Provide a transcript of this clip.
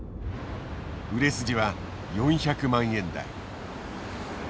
売れ筋は４００万円台。